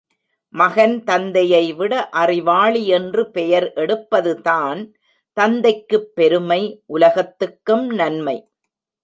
மகன் தந்தையைவிட அறிவாளி என்று பெயர் எடுப்பதுதான் தந்தைக்குப் பெருமை உலகத்துக்கும் நன்மை.